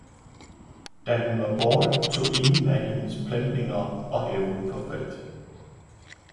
Da hun var borte, tog ingen sig af hendes plantninger og haven forfaldt.